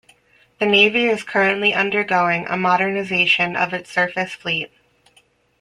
The navy is currently undergoing a modernization of its surface fleet.